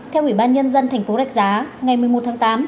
theo ủy ban nhân dân tp đạch giá ngày một mươi một tháng tám